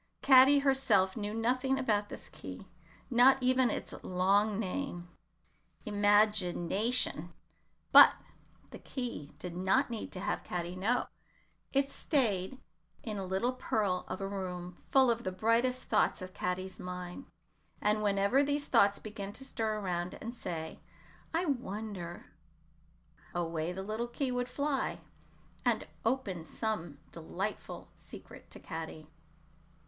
Caddy herself knew nothing about this key, not even its long name Im ag i na tion. But the key did not need to have Caddy know; it staid in a little pearl of a room full of the brightest thoughts of Caddy's mind, and whenever these thoughts began to stir about and say, "I wonder," away the little key would fly, and open some new delightful secret to Caddy.